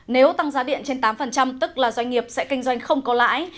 nếu tăng giá điện trên tám tức là doanh nghiệp sẽ kinh doanh không có lãi